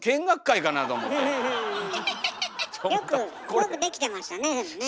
よくできてましたねでもね。